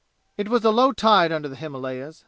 It was low tide under the Himalayas.